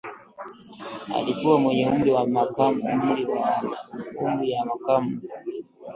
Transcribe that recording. Alikuwa mwenye umri ya makamo